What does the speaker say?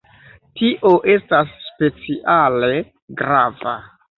Tio estas speciale grava.